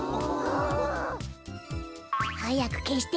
はやくけして。